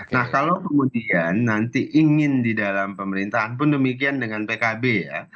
nah kalau kemudian nanti ingin di dalam pemerintahan pun demikian dengan pkb ya